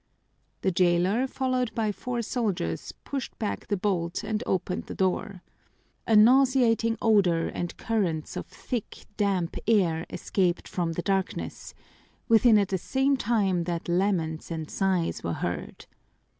The jailer, followed by four soldiers, pushed back the bolt and opened the door. A nauseating odor and currents of thick, damp air escaped from the darkness within at the same time that laments and sighs were heard.